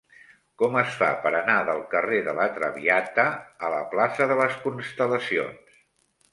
Com es fa per anar del carrer de La Traviata a la plaça de les Constel·lacions?